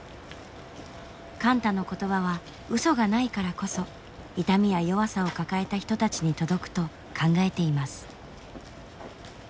貫多の言葉はうそがないからこそ痛みや弱さを抱えた人たちに届くと考えています。